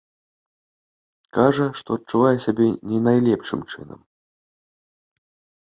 Кажа, што адчувае сябе не найлепшым чынам.